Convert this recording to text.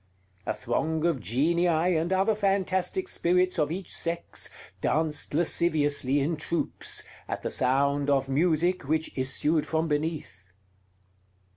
A throng of genii and other fantastic spirits of each sex danced lasciviously in troops, at the sound of music which issued from beneath.